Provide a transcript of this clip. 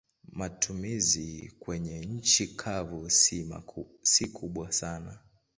Matumizi kwenye nchi kavu si kubwa sana.